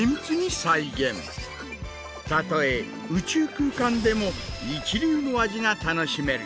「たとえ宇宙空間でも一流の味が楽しめる」